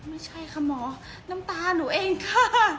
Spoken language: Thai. ไม่ใช่ค่ะหมอน้ำตาหนูเองค่ะ